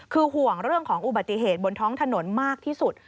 คือห่วงเรื่องของอุบัติเหตุบนท้องถนนมากที่สุด